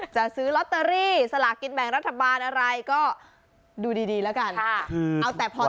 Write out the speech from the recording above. จะซื้อล็อตเตอรี่สลากกินแบงรัฐบาลอะไรก็ดูดีละกันเอาแต่พอตัว